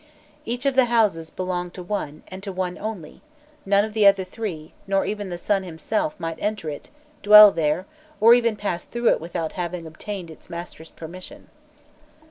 Each of these houses belonged to one, and to one only; none of the other three, nor even the sun himself, might enter it, dwell there, or even pass through it without having obtained its master's permission.